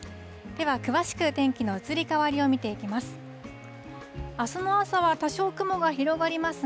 では、詳しく天気の移り変わりを見ていきます。